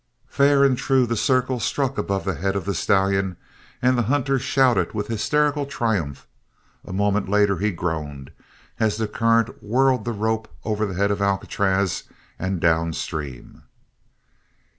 Fair and true the circle struck above the head of the stallion and the hunter shouted with hysterical triumph; a moment later he groaned as the current whirled the rope over the head of Alcatraz and down stream.